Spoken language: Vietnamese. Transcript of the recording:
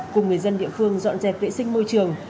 cùng người dân địa phương dọn dẹp vệ sinh môi trường